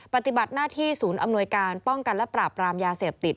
ปฏิบัติหน้าที่ศูนย์อำนวยการป้องกันและปราบรามยาเสพติด